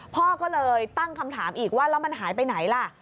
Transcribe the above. พ่อก็เลยตั้งคำถามอีกว่าแล้วมันหายไปไหนล่ะ